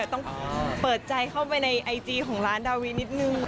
ต้องเปิดใจเข้าไปในไอจีของร้านดาวีนิดนึง